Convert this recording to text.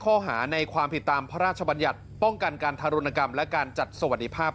ข้อหาในความผิดตามพระราชบัญญัติป้องกันการทารุณกรรมและการจัดสวัสดิภาพ